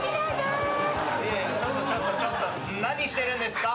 ちょっとちょっとちょっと何してるんですか？